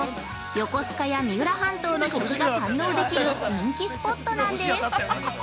横須賀や三浦半島の食が堪能できる人気スポットなんです。